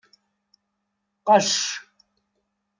Qacc.